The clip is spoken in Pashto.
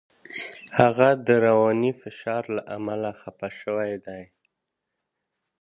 هغه د رواني فشار له امله خپه شوی دی.